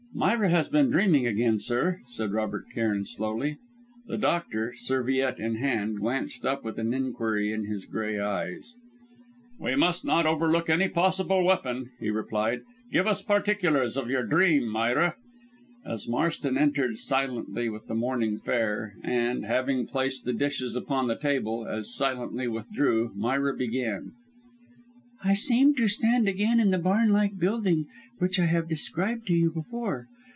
"Myra has been dreaming again, sir," said Robert Cairn slowly. The doctor, serviette in hand, glanced up with an inquiry in his grey eyes. "We must not overlook any possible weapon," he replied. "Give us particulars of your dream, Myra." As Marston entered silently with the morning fare, and, having placed the dishes upon the table, as silently withdrew, Myra began: "I seemed to stand again in the barn like building which I have described to you before.